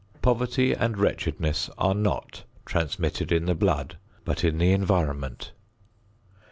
Poverty and wretchedness are not transmitted in the blood, but in the environment.